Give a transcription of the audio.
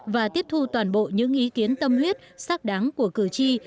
và tiếp thu toàn bộ những ý kiến tâm huyết xác đáng của cử tri